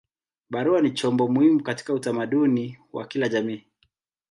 Barua ni chombo muhimu katika utamaduni wa kila jamii.